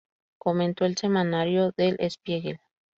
Comentó el semanario Der Spiegel.